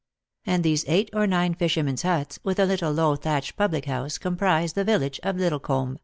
And these eight or nine fishermen's huts, with a little low thatched public house, comprised the village of Liddlecomb.